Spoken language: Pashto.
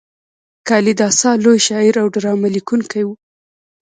کالیداسا لوی شاعر او ډرامه لیکونکی و.